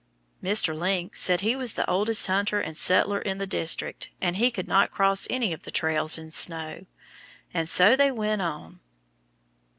Mr. Link said he was the oldest hunter and settler in the district, and he could not cross any of the trails in snow. And so they went on.